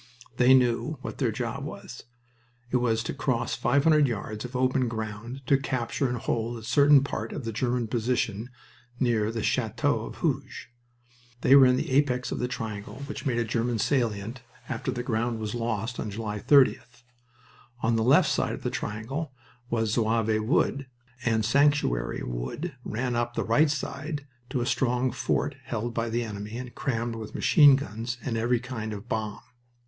They knew what their job was. It was to cross five hundred yards of open ground to capture and to hold a certain part of the German position near the Chateau of Hooge. They were at the apex of the triangle which made a German salient after the ground was lost, on July 30th. On the left side of the triangle was Zouave Wood, and Sanctuary Wood ran up the right side to a strong fort held by the enemy and crammed with machine guns and every kind of bomb.